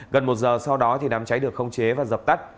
gần một giờ sau đó đám cháy được khống chế và dập tắt